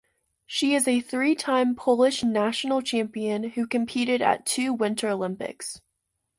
She is a three-time Polish national champion who competed at two Winter Olympics.